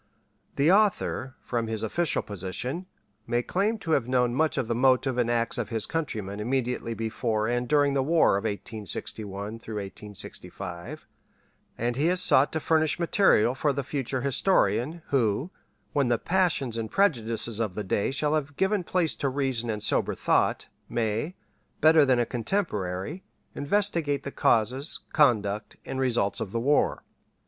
The author, from his official position, may claim to have known much of the motives and acts of his countrymen immediately before and during the war of 1861 '65, and he has sought to furnish material far the future historian, who, when the passions and prejudices of the day shall have given place to reason and sober thought, may, better than a contemporary, investigate the causes, conduct, and results of the war.